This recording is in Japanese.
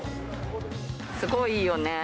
すごいいいよね。